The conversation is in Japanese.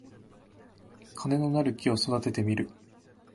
金のなる木を育ててみる